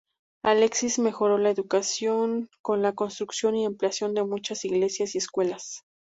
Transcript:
Alexis mejoró la educación con la construcción y ampliación de muchas iglesias y escuelas.